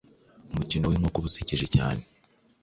Umukino w'Inkoko uba usekeje cyane